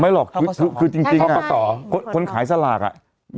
หรอกคือจริงคนขายสลากอ่ะ